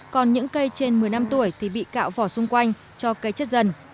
còn những cây trên một mươi năm tuổi thì bị cạo vỏ xung quanh cho cây chết dần